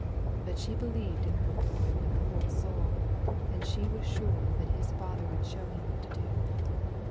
But she believed in her Boy with her whole soul; and she was sure that his Father would show him what to do.